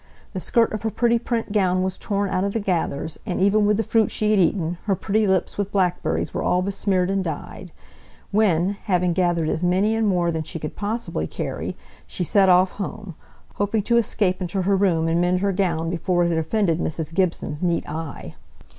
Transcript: The skirt of her pretty print gown was torn out of the gathers, and even with the fruit she had eaten "her pretty lips with blackberries were all besmeared and dyed," when having gathered as many and more than she could possibly carry, she set off home, hoping to escape into her room and mend her gown before it had offended Mrs. Gibson's neat eye.